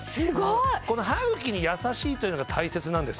この歯茎に優しいというのが大切なんです。